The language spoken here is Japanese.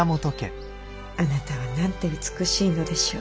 あなたはなんて美しいのでしょう。